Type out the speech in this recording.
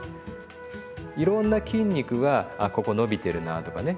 いろんな筋肉があここ伸びてるなとかね